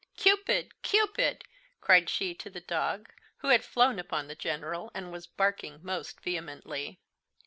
"Cupid, Cupid!" cried she to the dog, who had flown upon the General, and was barking most vehemently.